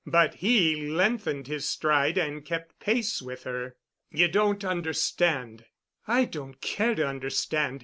But he lengthened his stride and kept pace with her. "You don't understand——" "I don't care to understand.